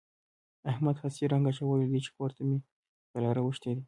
احمد هسې رنګ اچولی دی چې کور ته مې غله راوښتي دي.